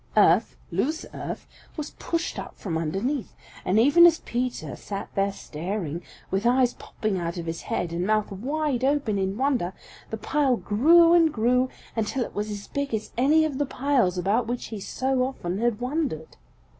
Earth, loose earth, was pushed up from underneath, and even as Peter sat there staring, with eyes popping out of his head and mouth wide open in wonder, the pile grew and grew until it was as big as any of the piles about which he so often had wondered.